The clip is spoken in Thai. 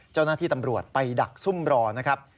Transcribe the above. เจ้าหน้าที่ตำรวจไปดักซุ่มรอนะครับ